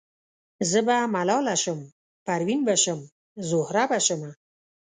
زه به ملاله شم پروین به شم زهره به شمه